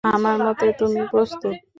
আমার মতে তুমি প্রস্তুত।